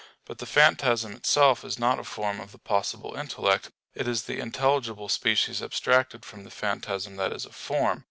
But the phantasm itself is not a form of the possible intellect; it is the intelligible species abstracted from the phantasm that is a form.